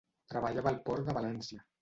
Treballava al port de València.